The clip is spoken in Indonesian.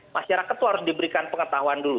masyarakat itu harus diberikan pengetahuan dulu